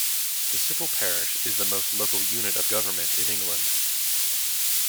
The civil parish is the most local unit of government in England.